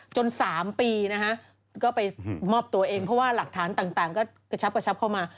๓ปีนะฮะก็ไปมอบตัวเองเพราะว่าหลักฐานต่างก็กระชับกระชับเข้ามา